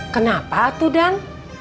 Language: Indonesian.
kenapa tuh dan